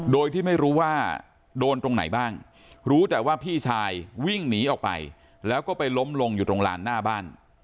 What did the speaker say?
โดยที่ไม่รู้ว่าโดนตรงไหนบ้างรู้แต่ว่าพี่ชายวิ่งหนีออกไปแล้วก็ไปล้มลงอยู่ตรงลานหน้าบ้าน